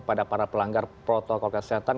pada para pelanggar protokol kesehatan